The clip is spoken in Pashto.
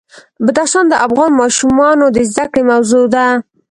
بدخشان د افغان ماشومانو د زده کړې موضوع ده.